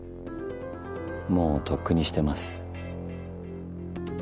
もうとっくにしてます。